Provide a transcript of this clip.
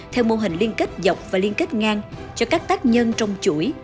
theo mô hình liên kết dọc và liên kết ngang cho các tác nhân trong chuỗi